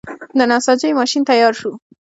د نساجۍ ماشین تیار شو.